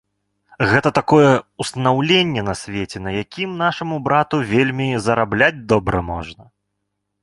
Гэта такое ўстанаўленне на свеце, на якім нашаму брату вельмі зарабляць добра можна.